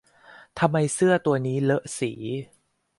ทำไมเสื้อตัวนี้เลอะสี